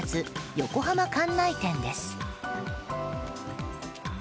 横浜関内店です。